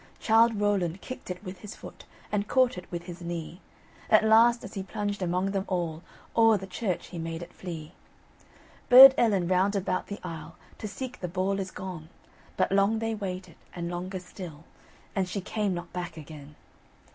Childe Rowland kicked it with his foot And caught it with his knee; At last as he plunged among them all O'er the church he made it flee. Burd Ellen round about the aisle To seek the ball is gone, But long they waited, and longer still, And she came not back again.